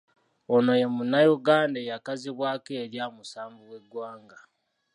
Ono ye Munnayuganda eyakazibwako erya, “Musanvu w’eggwanga”.